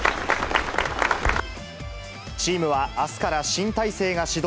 チームはあすから新体制が始動。